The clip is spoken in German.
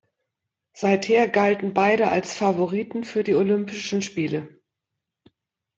Seither galten beide als Favoriten für die Olympischen Spiele.